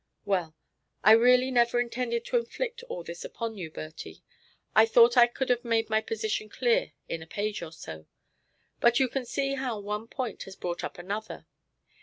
Well, I really never intended to inflict all this upon you, Bertie. I thought I could have made my position clear in a page or so. But you can see how one point has brought up another.